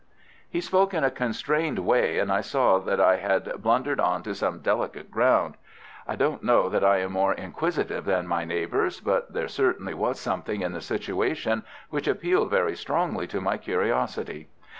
He spoke in a constrained way, and I saw that I had blundered on to some delicate ground. I don't know that I am more inquisitive than my neighbours, but there certainly was something in the situation which appealed very strongly to my curiosity.